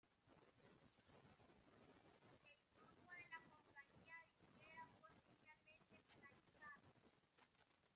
El grupo de la compañía disquera fue oficialmente finalizado.